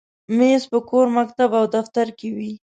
مېز په کور، مکتب، او دفتر کې وي.